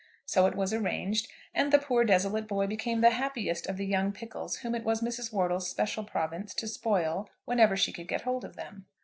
So it was arranged, and the "poor desolate boy" became the happiest of the young pickles whom it was Mrs. Wortle's special province to spoil whenever she could get hold of them.